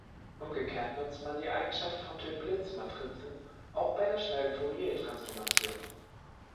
Umgekehrt nutzt man die Eigenschaften von Toeplitz-Matrizen auch bei der schnellen Fourier-Transformation.